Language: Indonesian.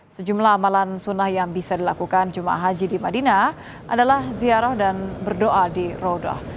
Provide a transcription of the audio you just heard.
sejumlah amalan sunnah yang bisa dilakukan ⁇ jumah ⁇ haji di madinah adalah ziarah dan berdoa di rodoh